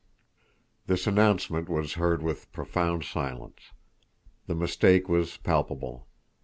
This announcement was heard with profound silence. The mistake was palpable.